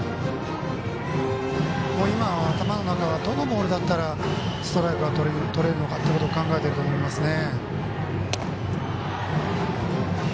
今、頭の中はどのボールだったらストライクをとれるのかということを考えていると思いますね。